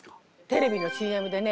テレビのＣＭでね